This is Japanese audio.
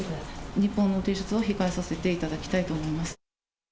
日報の提出は控えさせていただきたいと思います。